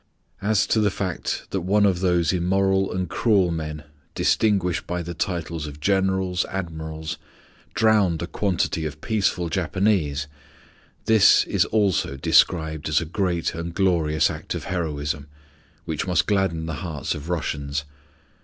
As to the fact that one of these immoral and cruel men, distinguished by the titles of Generals, Admirals, drowned a quantity of peaceful Japanese, this is also described as a great and glorious act of heroism, which must gladden the hearts of Russians.